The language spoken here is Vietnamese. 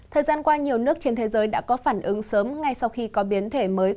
thời gian qua nhiều nước trên thế giới đã có phản ứng sớm ngay sau khi có biến thể mới